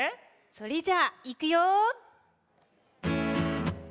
それじゃあいくよ。